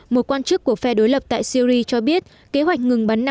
một quan chức của phe đối lập tại syri cho biết kế hoạch ngừng bắn năm